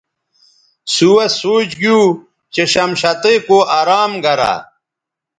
سوہسوچ گیو چہ شمشتئ کو ارام گرہ